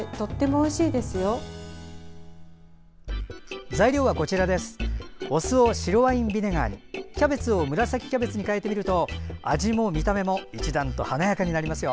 お酢を白ワインビネガーにキャベツを紫キャベツに変えてみると味も見た目も一段と華やかになりますよ。